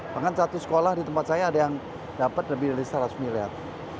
bahkan satu sekolah di tempat saya ada yang dapat lebih dari seratus miliar